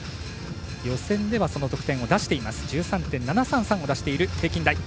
予選ではその得点を出しています。１３．７３３を出している平均台。